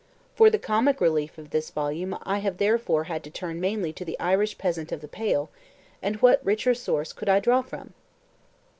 For the comic relief of this volume I have therefore had to turn mainly to the Irish peasant of the Pale; and what richer source could I draw from?